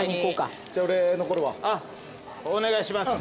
お願いします。